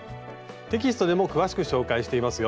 テキストでも詳しく紹介していますよ。